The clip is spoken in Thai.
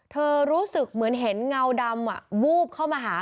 รู้สึกเหมือนเห็นเงาดำวูบเข้ามาหา